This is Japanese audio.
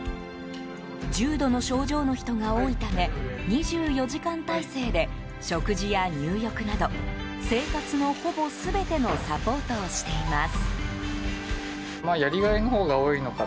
重度の症状の人が多いため２４時間体制で食事や入浴など生活の、ほぼ全てのサポートをしています。